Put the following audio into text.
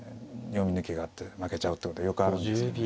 読み抜けがあって負けちゃうってことよくあるんですよね。